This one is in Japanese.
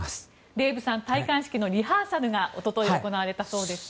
デーブさん戴冠式のリハーサルが一昨日行われたそうですね。